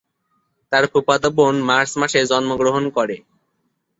তার ফুফাতো বোন মার্চ মাসে জন্মগ্রহণ করে।